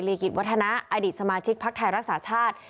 กิจวัฒนะอดีตสมาชิกภักดิ์ไทยรักษาชาติ